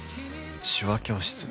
手話教室。